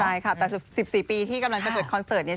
ใช่ค่ะแต่๑๔ปีที่กำลังจะเกิดคอนเสิร์ตเนี่ย